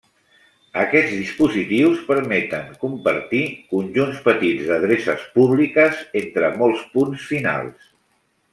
Aquests dispositius permeten compartir conjunts petits d'adreces públiques entre molts punts finals.